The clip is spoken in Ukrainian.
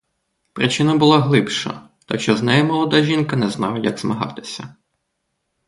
Причина була глибша, так що з нею молода жінка не знала, як змагатися.